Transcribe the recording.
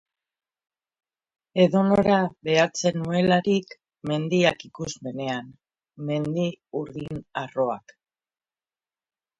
Edonora behatzen nuelarik, mendiak ikusmenean, mendi urdin harroak.